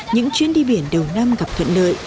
những chuyến đi biển đầu năm gặp thuận lợi